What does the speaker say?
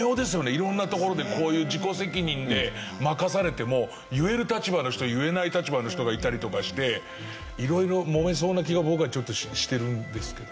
色んなところでこういう自己責任で任されても言える立場の人言えない立場の人がいたりとかして色々もめそうな気が僕はちょっとしてるんですけど。